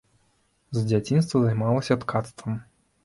З дзяцінства займалася ткацтвам.